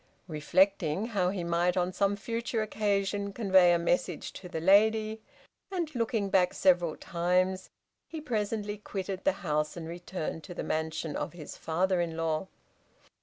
Reflecting how he might on some future occasion convey a message to the lady, and looking back several times, he presently quitted the house and returned to the mansion of his father in law.